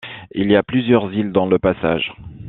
Il y a plusieurs îles dans le passage.